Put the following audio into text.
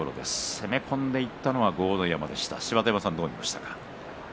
攻め込んでいったのは豪ノ山芝田山さん、どう見ましたか？